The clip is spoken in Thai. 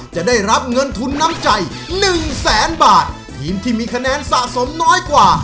จะได้รับเงินทุนน้ำใจหนึ่งแสนบาททีมที่มีคะแนนสะสมน้อยกว่า